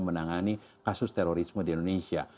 menangani kasus terorisme di indonesia